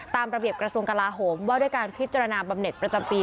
ตามระเบียบกระทรวงกลาโหมว่าด้วยการพิจารณาบำเน็ตประจำปี